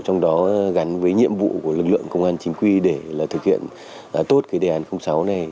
trong đó gắn với nhiệm vụ của lực lượng công an chính quy để thực hiện tốt đề án sáu này